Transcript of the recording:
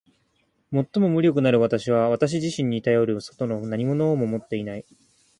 最も無力なる私は私自身にたよる外の何物をも持っていない。